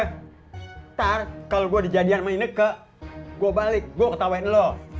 ntar kalau gua di jadian sama ineke gua balik gua ketawain lu